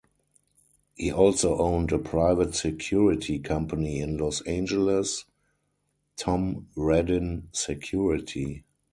He also owned a private security company in Los Angeles; Tom Reddin Security.